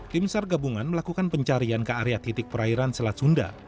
tim sar gabungan melakukan pencarian ke area titik perairan selat sunda